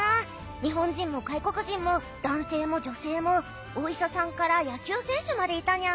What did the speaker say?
日本人も外国人も男性も女性もお医者さんから野球選手までいたにゃ。